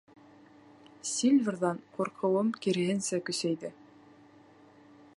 Сильверҙан ҡурҡыуым, киреһенсә, көсәйҙе.